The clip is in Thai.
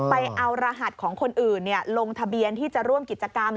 ไปเอารหัสของคนอื่นลงทะเบียนที่จะร่วมกิจกรรม